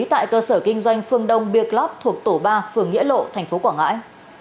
tại cơ sở kinh doanh phương đông biêc lóp thuộc tổ ba phường nghĩa lộ tp quảng ngãi